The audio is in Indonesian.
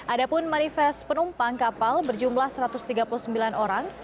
ada pun manifest penumpang kapal berjumlah satu ratus tiga puluh sembilan orang